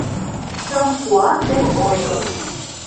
Чон куан ден ойгым